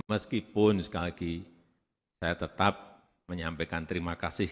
meskipun sekali lagi saya tetap menyampaikan terima kasih